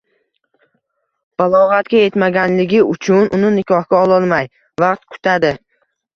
balog’atga yetmaganligi uchun uni nikohga ololmay, vaqt kutadi.